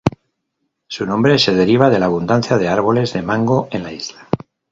Su nombre se deriva de la abundancia de árboles de mango en la isla.